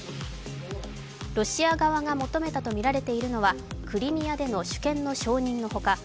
ロシア側が求めたとみられているのはクリミアでの主権の承認の他